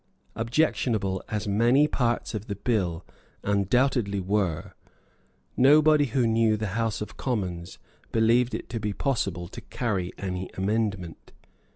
Objectionable as many parts of the bill undoubtedly were, nobody who knew the House of Commons believed it to be possible to carry any amendment.